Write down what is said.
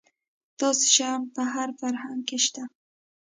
داسې شیان په هر فرهنګ کې شته.